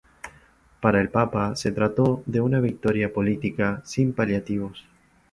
Para el papa se trató de una victoria política sin paliativos.